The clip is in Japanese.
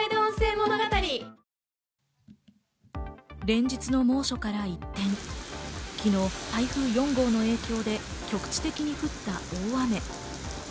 連日の猛暑から一転、昨日、台風４号の影響で局地的に降った大雨。